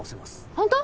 ホント？